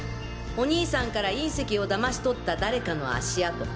お兄さんから隕石を騙し取った誰かの足跡。